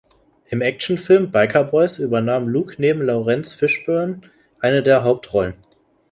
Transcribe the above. Im Actionfilm "Biker Boyz" übernahm Luke neben Laurence Fishburne eine der Hauptrollen.